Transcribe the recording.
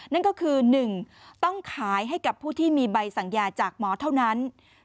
นั่นก็คือ๑ต้องขายให้กับผู้ที่มีใบสั่งยาจากหมอเท่านั้น